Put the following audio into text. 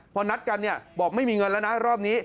พอนัดกันเนี่ยบอกไม่มีเงินแล้วนะรอบนี้